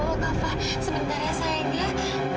ayolah kafa sebentar ya sayangnya